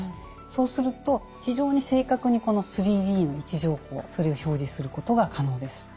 そうすると非常に正確にこの３Ｄの位置情報それを表示することが可能です。